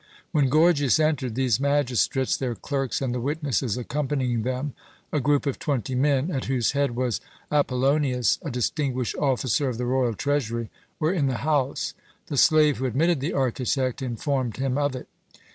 When Gorgias entered, these magistrates, their clerks, and the witnesses accompanying them a group of twenty men, at whose head was Apollonius, a distinguished officer of the royal treasury were in the house. The slave who admitted the architect informed him of it.